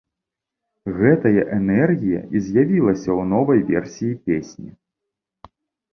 Гэтая энергія і з'явілася ў новай версіі песні.